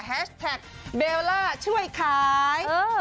แฮชแท็กเบลล่าช่วยขายเออ